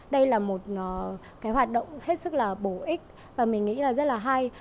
đây là một hoạt động hết sức là bổ ích và mình nghĩ là rất là hay